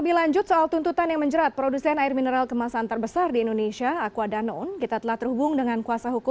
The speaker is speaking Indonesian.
dan juga untuk menjaga kesehatan persaingan usaha